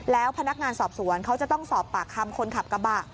แล้วพนักงานสอบสวนเขาจะต้องสอบปากคำคนขับกระบะ